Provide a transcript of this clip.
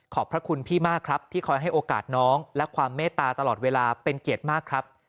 พระคุณพี่มากครับที่คอยให้โอกาสน้องและความเมตตาตลอดเวลาเป็นเกียรติมากครับ